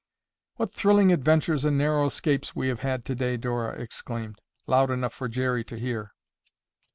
"What thrilling adventures and narrow escapes we have had today!" Dora exclaimed, loud enough for Jerry to hear.